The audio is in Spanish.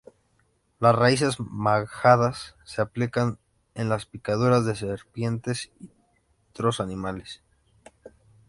Las raíces majadas se aplican en las picaduras de serpientes y tros animales.